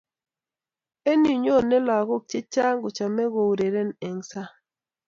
Eng yu nyone lakok che chang kochomei kourereni eng saang.